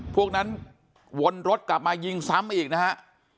พวกนั้นวนรถกลับมายิงซ้ำอีกนะฮะ